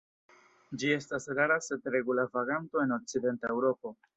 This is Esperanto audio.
Ĝi estas rara sed regula vaganto en okcidenta Eŭropo.